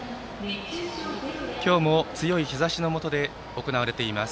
今日も強い日ざしのもとで行われています